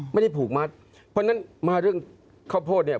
ไม่ได้ผูกมัดเพราะฉะนั้นมาเรื่องข้าวโพดเนี่ย